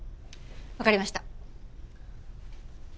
わかりました。